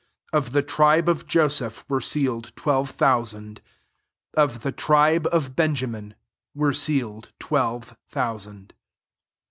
Of the tribe of Jo seph {wer^ sealed] twelve thou 'sand. Of the tribe of Benjamih were' sealed twelve thousand.